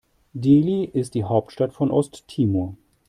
Dili ist die Hauptstadt von Osttimor.